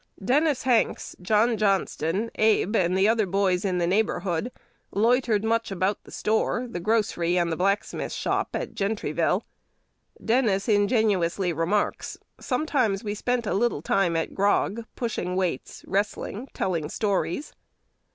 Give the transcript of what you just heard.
Dennis Hanks, John Johnston, Abe, and the other boys in the neighborhood, loitered much about the store, the grocery, and the blacksmith's shop, at Gentryville. Dennis ingenuously remarks, "Sometimes we spent a little time at grog, pushing weights, wrestling, telling stories."